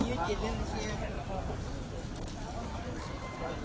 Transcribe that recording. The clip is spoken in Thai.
นักโมทรัพย์ภักวะโตอาระโตสัมมาสัมพุทธศาสตร์